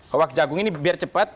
kawak jagung ini biar cepat